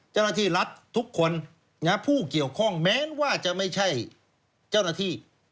เจ้าหน้าที่รัฐทุกคนผู้เกี่ยวข้องแม้ว่าจะไม่ใช่เจ้าหน้าที่